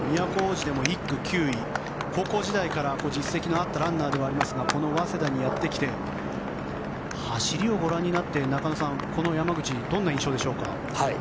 高校時代から実績のあったランナーですがこの早稲田にやってきて走りをご覧になって、中野さんこの山口どんな印象でしょうか？